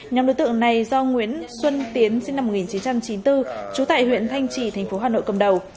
nhóm đối tượng này do nguyễn xuân tiến sinh năm một nghìn chín trăm chín mươi bốn trú tại huyện thanh trì tp hcm cầm đầu